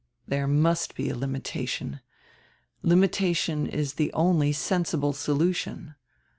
"There must be a limitation; limitation is die only sensible solution.